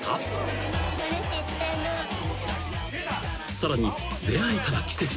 ［さらに出合えたら奇跡］